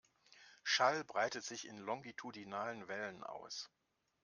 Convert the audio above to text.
Schall breitet sich in longitudinalen Wellen aus.